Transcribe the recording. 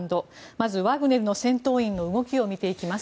まずワグネルの戦闘員の動きを見ていきます。